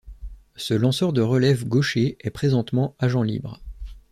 Ce lanceur de relève gaucher est présentement agent libre.